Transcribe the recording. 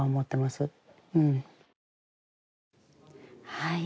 はい。